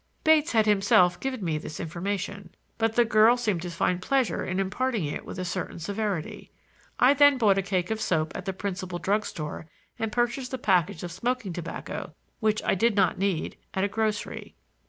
Bates had himself given me this information, but the girl seemed to find pleasure in imparting it with a certain severity. I then bought a cake of soap at the principal drug store and purchased a package of smoking tobacco, which I did not need, at a grocery.